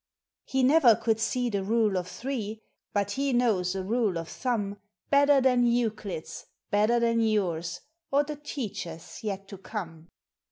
He never could see the Rule of Three, But he knows a rule of thumb Better than Euclid's, better than yours, Or the teachers' yet to conic.